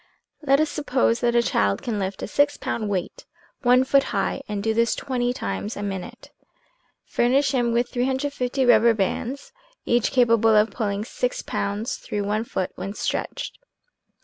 Let us suppose that a child can lift a six pound weight one foot high and do this twenty times a minute. Furnish him with 350 rubber bands, each capable of pulling six pounds through one foot when stretched.